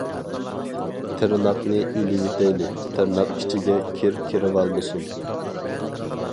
تىرناقنى ئېلىۋېتەيلى، تىرناق ئىچىگە كىر كىرىۋالمىسۇن!